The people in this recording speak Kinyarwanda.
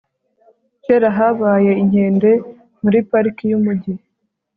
kera habaye inkende muri pariki yumujyi